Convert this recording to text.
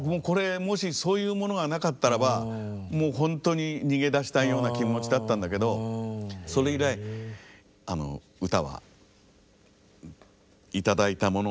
もしそういうものがなかったらばもうほんとに逃げ出したいような気持ちだったんだけどそれ以来歌は頂いたもの。